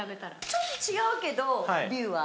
ちょっと違うけどビューは。